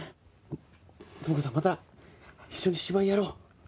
知子さんまた一緒に芝居やろう。